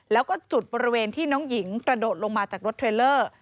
แล้วก็จุดบริเวณที่น้องหญิงกระโดดลงมาจากรถเทรลเลอร์